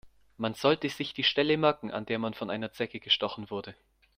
Man sollte sich die Stelle merken, an der man von einer Zecke gestochen wurde.